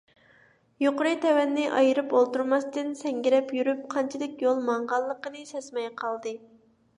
يۇقىرى - تۆۋەننى ئايرىپ ئولتۇرماستىن، سەڭگىرەپ يۈرۈپ، قانچىلىك يول ماڭغانلىقىنى سەزمەي قالدى.